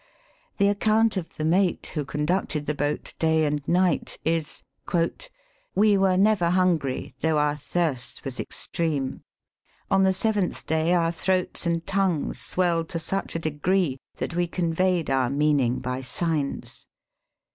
The account of the mate who con ducted the boat, day and night, is, " We were never hungry, though our thirst was extreme. On the seventh day, our throats and tongues swelled to such a degree, that we conveyed our meaning by signs.